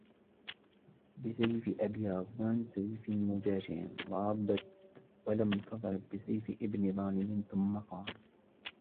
بِسَيْفِ أَبِي رَغْوَانَ سَيْفِ مُجَاشِعٍ ضَرَبْت وَلَمْ تَضْرِبْ بِسَيْفِ ابْنِ ظَالِمِ ثُمَّ قَالَ